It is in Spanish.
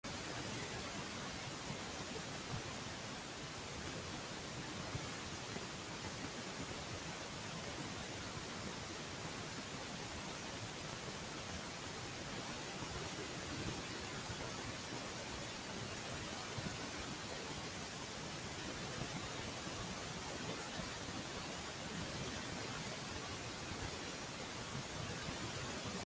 Los redujo a la obediencia o los despidió, distribuyendo los cargos a sus fieles.